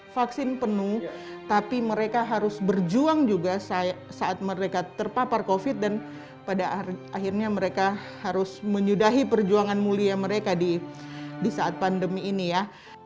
vaksin penuh tapi mereka harus berjuang juga saat mereka terpapar covid dan pada akhirnya mereka harus menyudahi perjuangan mulia mereka di saat pandemi ini ya